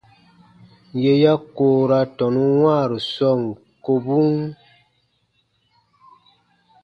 Yè ya koora tɔnun wãaru sɔɔn kobun.